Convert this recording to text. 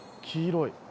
黄色い。